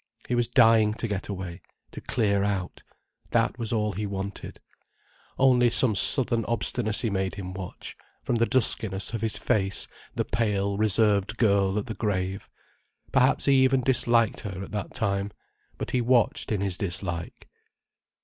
He was dying to get away—to clear out. That was all he wanted. Only some southern obstinacy made him watch, from the duskiness of his face, the pale, reserved girl at the grave. Perhaps he even disliked her, at that time. But he watched in his dislike.